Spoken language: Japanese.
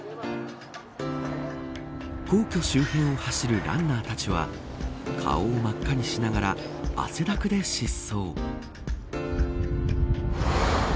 皇居周辺を走るランナーたちは顔を真っ赤にしながら汗だくで疾走。